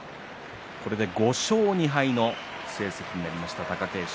これで５勝２敗の成績になりました、貴景勝。